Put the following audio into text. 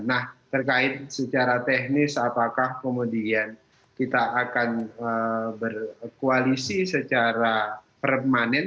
nah terkait secara teknis apakah kemudian kita akan berkoalisi secara permanen